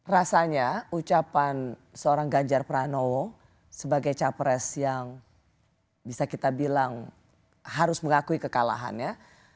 rasanya ucapan seorang ganjar pranowo sebagai capres yang bisa kita bilang harus mengakui kekalahannya